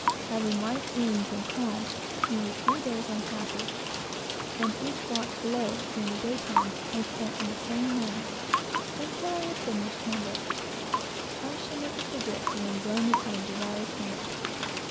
Having light winds and calms, we were three days on the passage, and each watch below, during the daytime, I spent in the same manner, until I had finished my book. I shall never forget the enjoyment I derived from it.